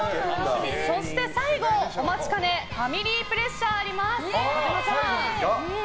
そして、最後、お待ちかねファミリープレッシャーがあります、児嶋さん。